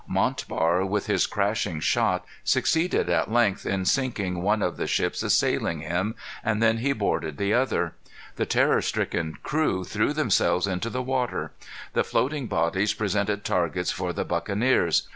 Montbar, with his crashing shot, succeeded at length in sinking one of the ships assailing him, and then he boarded the other. The terror stricken crew threw themselves into the water. The floating bodies presented targets for the buccaneers.